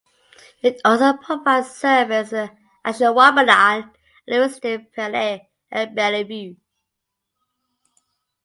It also provides service in Ashwaubenon, Allouez, De Pere, and Bellevue.